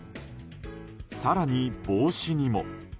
更に帽子にも。